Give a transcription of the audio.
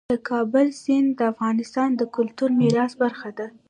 د کابل سیند د افغانستان د کلتوري میراث برخه ده.